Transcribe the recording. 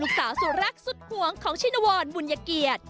ลูกสาวสู่รักสุดหวงของชินวรบุญยะเกียจ